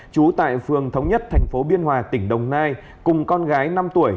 trú tại phường thống nhất tp biên hòa tỉnh đồng nai cùng con gái năm tuổi